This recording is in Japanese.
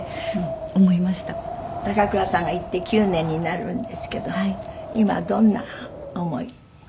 高倉さんが逝って９年になるんですけど今どんな思い？